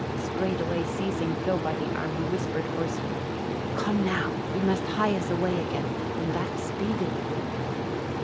Straightway seizing Phil by the arm he whispered hoarsely, "Come now, we must hie us away again, and that speedily."